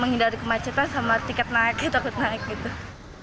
menghindari kemacetan sama tiket naik takut naik gitu